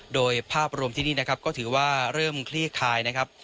โดยภาพรวมที่นี่นะครับก็ถือว่าเริ่มคลี่คลายนะครับ